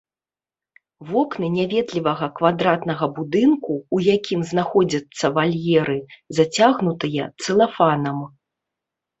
Вокны няветлівага квадратнага будынку, у якім знаходзяцца вальеры, зацягнутыя цэлафанам.